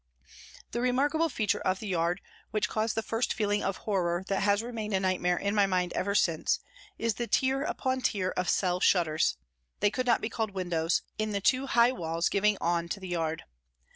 The remarkable feature of the yard, which caused the first feeling of horror that has remained a nightmare in my mind ever since, is the tier upon tier of cell shutters, they could not be called windows, in the two high walls giving on to the yard.